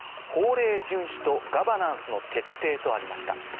「法令遵守とガバナンスの徹底」とありました。